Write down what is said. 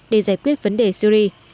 để giải quyết vấn đề syria